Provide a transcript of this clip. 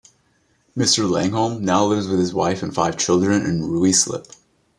Mr. Langholm now lives with his wife and five children in Ruislip.